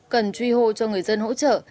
cần truy hô cho người dân hỗ trợ